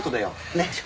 ねっ。